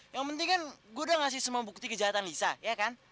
yang penting kan gue udah ngasih semua bukti kejahatan lisa ya kan